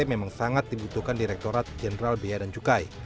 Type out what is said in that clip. memang sangat dibutuhkan direkturat jenderal biaya dan cukai